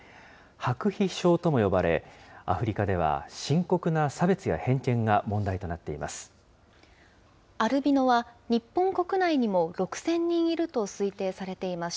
白皮症とも呼ばれ、アフリカでは深刻な差別や偏見が問題となっています。